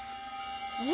え